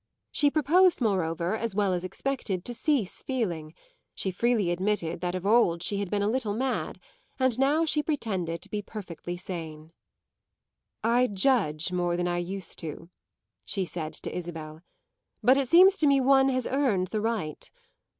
She proposed moreover, as well as expected, to cease feeling; she freely admitted that of old she had been a little mad, and now she pretended to be perfectly sane. "I judge more than I used to," she said to Isabel, "but it seems to me one has earned the right.